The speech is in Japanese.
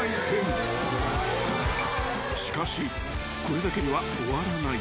［しかしこれだけでは終わらない］